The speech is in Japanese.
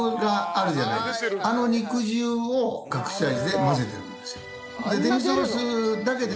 あの肉汁を隠し味で混ぜてるんですよ。